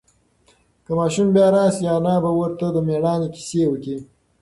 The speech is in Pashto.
که ماشوم بیا راشي، انا به ورته د مېړانې قصې وکړي.